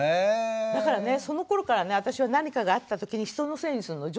だからねそのころからね私は何かがあったときに人のせいにするの上手になったの。